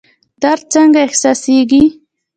درد څنګه احساسیږي؟